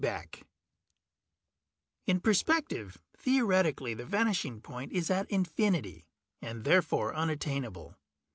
BECK _In perspective, theoretically the vanishing point is at infinity, and therefore unattainable.